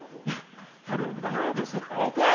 晴臣の母です。